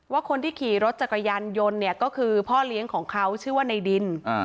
คนที่ขี่รถจักรยานยนต์เนี่ยก็คือพ่อเลี้ยงของเขาชื่อว่าในดิน